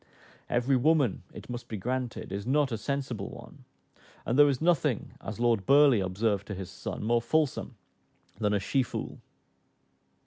Every woman, it must be granted, is not a sensible one; and "there is nothing," as Lord Burleigh observed to his son, "more fulsome than a she foole."